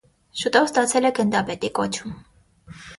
Շուտով ստացել է գնդապետի կոչում։